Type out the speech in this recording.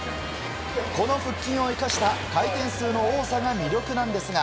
この腹筋を生かした回転数の多さが魅力なんですが